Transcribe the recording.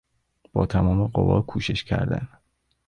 با تمام قوا کوشش کردن